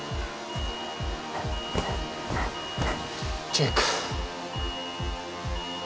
チェック